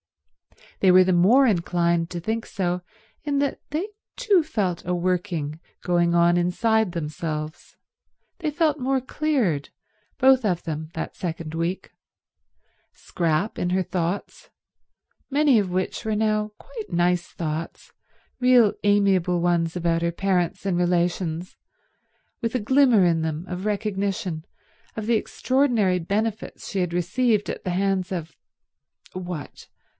They were the more inclined to think so in that they too felt a working going on inside themselves: they felt more cleared, both of them, that second week—Scrap in her thoughts, many of which were now quite nice thoughts, real amiable ones about her parents and relations, with a glimmer in them of recognition of the extraordinary benefits she had received at the hands of—what?